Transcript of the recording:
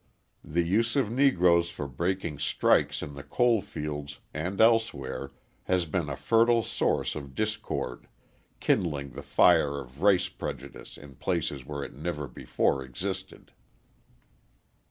The use of Negroes for breaking strikes in the coalfields and elsewhere has been a fertile source of discord, kindling the fire of race prejudice in places where it never before existed.